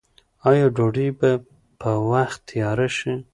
آیا ډوډۍ به په وخت تیاره شي؟